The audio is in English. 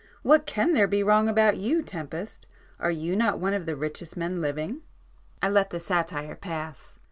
What can there be wrong about you, Tempest? Are you not one of the richest men living?" I let the satire pass.